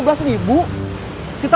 besar itu ya